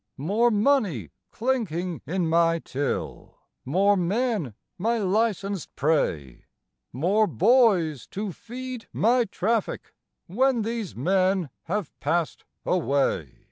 "More money clinking in my till, more men my licensed prey; More boys to feed my traffic when these men have passed away."